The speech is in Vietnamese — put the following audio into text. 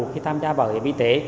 khi tham gia bảo hiểm y tế